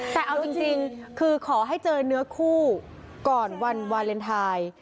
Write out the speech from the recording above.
แต่เอาจริงคือขอให้เจอเนื้อคู่ก่อนวันวาเลนไทย